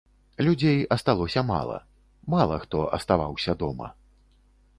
Людзей асталося мала, мала хто аставаўся дома.